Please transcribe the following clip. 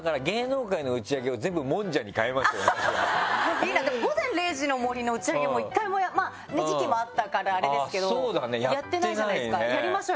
いいなでも『午前０時の森』の打ち上げも１回も時期もあったからあれですけどやってないじゃないですか。